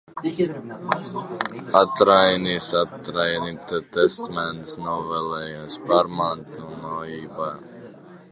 Atraitnis, atraitne, testaments, novēlējums. Pārmantojamība.